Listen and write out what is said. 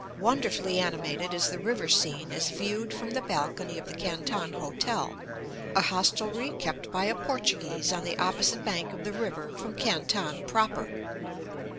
Wonderfully animated is the river scene as viewed from the balcony of the Canton Hotel, a hostelry kept by a Portuguese on the opposite bank of the river from Canton proper.